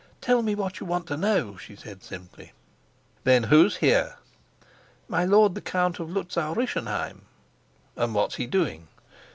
"Tell me what you want to know," she said simply. "Then who's here?" "My lord the Count of Luzau Rischenheim." "And what's he doing?"